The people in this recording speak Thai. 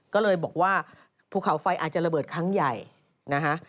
ก็เลยบอกว่าภูเขาไฟอาจจะระเบิดครั้งใหญ่นะฮะ